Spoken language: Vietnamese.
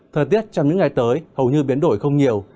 thời tiết trong những ngày tới hầu như biến đổi không nhiều